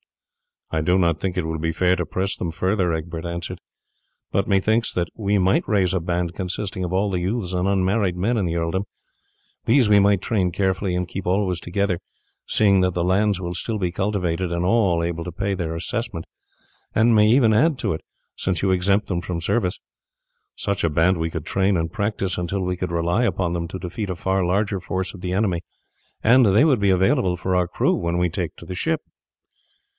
"I do not think it will be fair to press them further," Egbert answered; "but methinks that we might raise a band consisting of all the youths and unmarried men in the earldom. These we might train carefully and keep always together, seeing that the lands will still be cultivated and all able to pay their assessment, and may even add to it, since you exempt them from service. Such a band we could train and practise until we could rely upon them to defeat a far larger force of the enemy, and they would be available for our crew when we take to the ship."